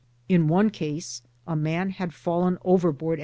In one case a man had fallen overboard!